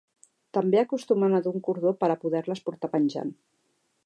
També acostumen a dur un cordó per a poder-les portar penjant.